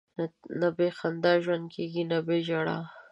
نه بې خندا ژوند کېږي، نه بې ژړا.